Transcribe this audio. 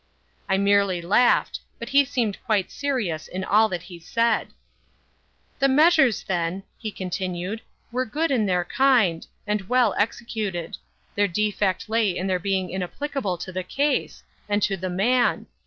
I merely laughed—but he seemed quite serious in all that he said. "The measures, then," he continued, "were good in their kind, and well executed; their defect lay in their being inapplicable to the case, and to the man.